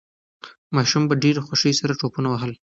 ماشوم په ډېرې خوښۍ سره ټوپونه وهل.